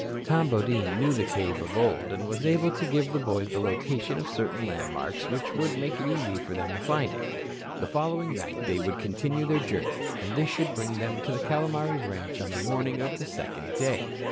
Tom Bodine knew the cave of old and was able to give the boys the location of certain landmarks which would make it easy for them to find it. The following night they would continue their journey, and this should bring them to the Calomares ranch on the morning of the second day.